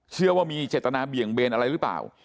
เชื่อว่ามีเจตนาเบี่ยงเบนอะไรหรือเปล่า